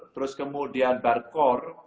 terus kemudian barkor